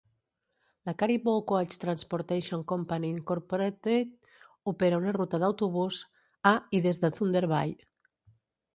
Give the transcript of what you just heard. La Caribou Coach Transportation Company Incorporated opera una ruta d'autobús a i des de Thunder Bay.